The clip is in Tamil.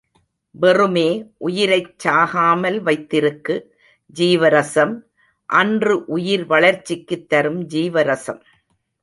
வெறுமே உயிரைச் சாகாமல் வைத்திருக்கு ஜீவரசம் அன்று உயிர் வளர்ச்சிக்கு தரும் ஜீவரசம்.